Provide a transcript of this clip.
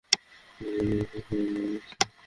এই হচ্ছে অবস্থা।